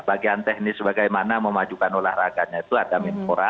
bagian teknis bagaimana memajukan olahraganya itu ada menpora